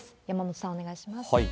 山本さん、お願いします。